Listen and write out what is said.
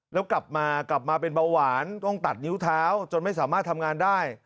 แล้วกลับมากลับมาเป็นเบาหวานต้องตัดนิ้วเท้าจนไม่สามารถทำงานได้